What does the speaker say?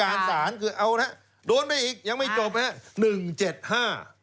การศาลคือเอานะโดนไปอีกยังไม่จบนะ